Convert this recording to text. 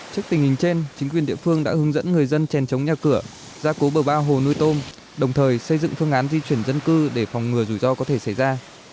trước tình hình trên chính quyền địa phương đã hướng dẫn người dân chèn chống nhà cửa gia cố bờ bao hồ nuôi tôm đồng thời xây dựng phương án di chuyển dân cư để phòng ngừa rủi ro có thể xảy ra